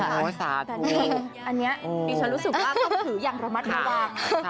อันนี้ฉันรู้สึกว่าเขาถือยังระมัดระวาน